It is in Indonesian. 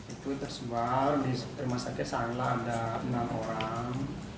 itu tersebar di rumah sakit sangla ada enam orang